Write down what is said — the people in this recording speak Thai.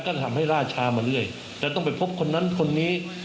ท่านทำให้ล่าช้ามาเรื่อยแต่ต้องไปพบคนนั้นคนนี้